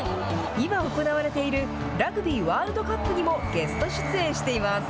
今、行われているラグビーワールドカップにもゲスト出演しています。